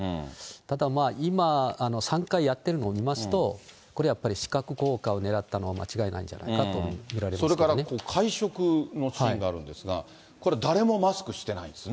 ただまあ、今、３回やってるのを見ますと、これやっぱり視覚効果をねらったのは間違いないんじゃないかと見それから会食のシーンがあるんですけど、これ、誰もマスクしてないんですね。